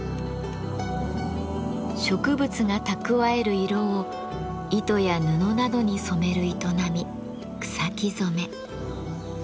植物が蓄える色を糸や布などに染める営み「草木染め」。